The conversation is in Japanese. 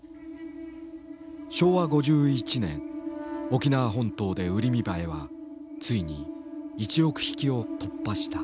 沖縄本島でウリミバエはついに１億匹を突破した。